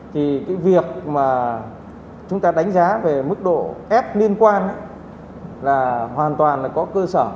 thì cái việc mà chúng ta đánh giá về mức độ ép liên quan là hoàn toàn là có cơ sở